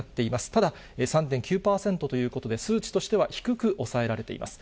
ただ、３．９％ということで、数値としては低く抑えられています。